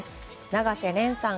永瀬廉さん